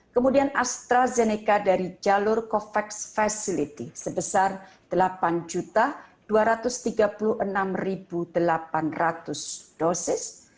kemudian astrazeneca dari jalur covax facility sebesar delapan dua ratus tiga puluh enam delapan ratus dosis